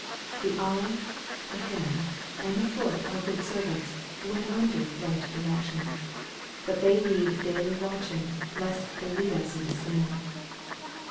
The eye, the hand, and the foot are good servants, when under right direction. But they need daily watching, lest they lead us into sin.